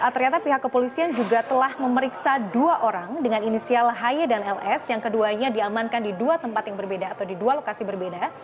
ternyata pihak kepolisian juga telah memeriksa dua orang dengan inisial haye dan ls yang keduanya diamankan di dua tempat yang berbeda atau di dua lokasi berbeda